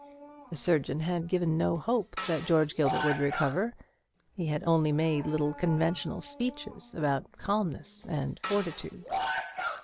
The surgeon had given no hope that George Gilbert would recover; he had only made little conventional speeches about calmness and fortitude.